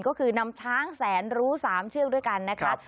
ก็คือนำช้างแสนรู้๓เชือกด้วยกันนะคะ